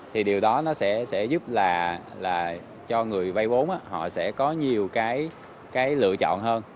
thì điều đó nó sẽ giúp là cho người vay vốn họ sẽ có nhiều cái lựa chọn hơn